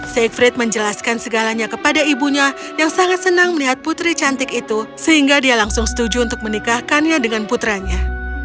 saifrid menjelaskan segalanya kepada ibunya yang sangat senang melihat putri cantik itu sehingga dia langsung setuju untuk menikahkannya dengan putranya